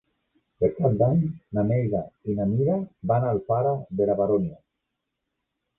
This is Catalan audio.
Per Cap d'Any na Neida i na Mira van a Alfara de la Baronia.